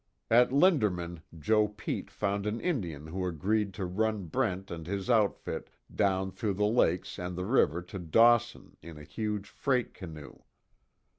At Lindermann Joe Pete found an Indian who agreed to run Brent and his outfit down through the lakes and the river to Dawson in a huge freight canoe.